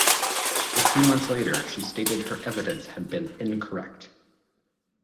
A few months later she stated her evidence had been incorrect.